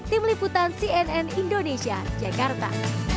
tim liputan cnn indonesia jakarta